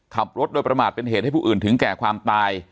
ขับรถโดยประมาทเป็นเหตุให้ผู้อื่นถึงแก่ความตาย